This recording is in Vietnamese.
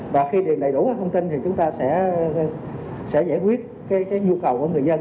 và khi điện đầy đủ các thông tin thì chúng ta sẽ giải quyết cái nhu cầu của người dân